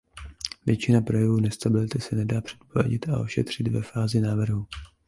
Většina projevů nestability se nedá předpovědět a ošetřit ve fázi návrhu.